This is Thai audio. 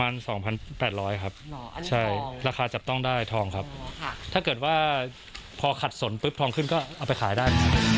ใช่ราคาจับต้องได้ทองครับถ้าเกิดว่าพอขัดสนปุ๊บทองขึ้นก็เอาไปขายได้